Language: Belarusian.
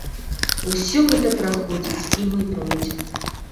Усе гэта праходзяць, і мы пройдзем.